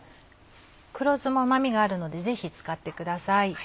黒酢もうま味があるのでぜひ使ってください。